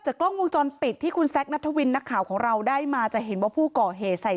กล้องวงจรปิดที่คุณแซคนัทวินนักข่าวของเราได้มาจะเห็นว่าผู้ก่อเหตุใส่